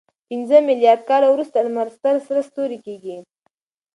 پنځه میلیارد کاله وروسته لمر ستر سره ستوری کېږي.